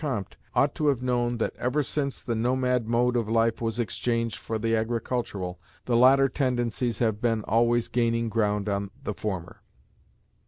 Comte, ought to have known that ever since the nomad mode of life was exchanged for the agricultural, the latter tendencies have been always gaining ground on the former.